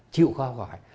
chịu khó gọi